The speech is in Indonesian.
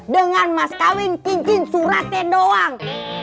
dengan mas kawin kincin suratnya doang